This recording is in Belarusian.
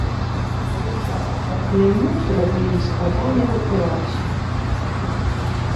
Яму зрабілі складаную аперацыю.